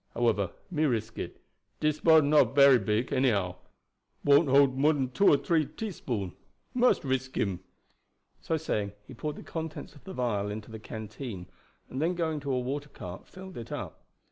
However, me must risk it. Dis bottle not bery big, anyhow won't hold more dan two or three teaspoon. Must risk him." So saying he poured the contents of the vial into the canteen, and then going to a water cart filled it up.